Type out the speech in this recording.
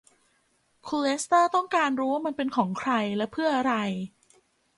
คุณเลสเตอร์ต้องการรู้ว่ามันเป็นของใครและเพื่ออะไร